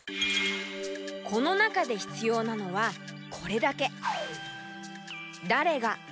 この中でひつようなのはこれだけ。